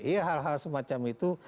ya hal hal semacam itu